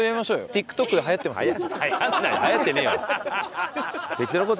ＴｉｋＴｏｋで流行ってますよね。